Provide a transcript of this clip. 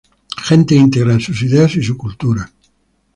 Gente íntegra en sus ideas y su cultura.